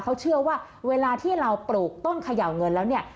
เขาเชื่อว่าเวลาที่เราปลูกต้นเขย่าเงินแล้วเนี่ย